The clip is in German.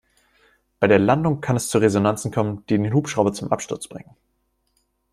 Bei der Landung kann es zu Resonanzen kommen, die den Hubschrauber zum Absturz bringen.